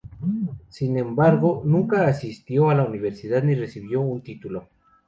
Sin embargo, nunca asistió a la universidad ni recibió un título.